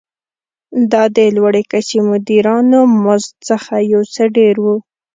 دا د لوړې کچې مدیرانو مزد څخه یو څه ډېر و.